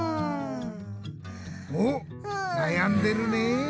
おっなやんでるね！